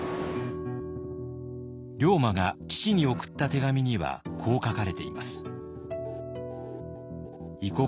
龍馬が父に送った手紙にはこう書かれています。